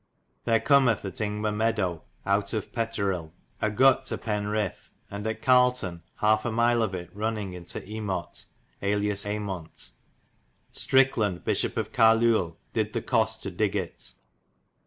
Ther cummeth at [Ing]mer Medow [owt] of Peterel [a g]ut to Penrith, [and at Carlton] half a [mylej of yt runneth ynto Einot, alias ^2ymont. Strikland Bisshop of Cairluel ^ did the cost to dig [it.